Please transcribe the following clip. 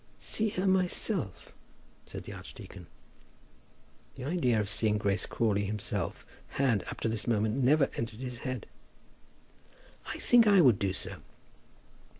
"See her myself?" said the archdeacon. The idea of seeing Grace Crawley himself had, up to this moment, never entered his head. "I think I would do so."